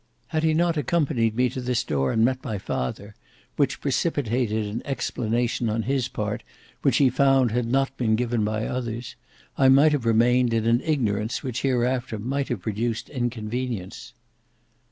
Had he not accompanied me to this door and met my father, which precipitated an explanation on his part which he found had not been given by others, I might have remained in an ignorance which hereafter might have produced inconvenience."